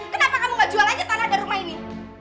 kenapa kamu gak jual aja tanah dari rumah ini